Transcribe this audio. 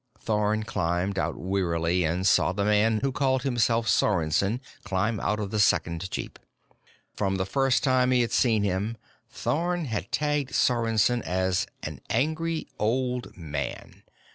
Thorn climbed out wearily and saw the man who called himself Sorensen climb out of the second jeep. From the first time he had seen him, Thorn had tagged Sorensen as an Angry Old Man.